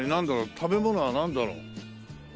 食べ物はなんだろう？